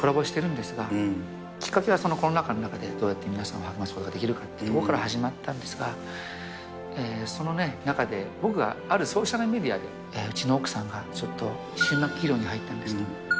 どこか世界のいろんなアーティスト、コラボしてるんですが、きっかけはコロナ禍の中で、どうやって皆さんを励ますことができるかというところから始まったんですが、その中で、僕が、あるソーシャルメディアでうちの奥さんがちょっと終末期医療に入ったんです。